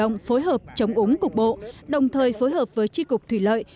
phòng nông phối hợp chống ủng cục bộ đồng thời phối hợp với tri cục thủy lợi